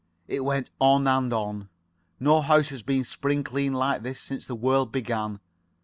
It went on and on. No house has been spring cleaned like this since the world began.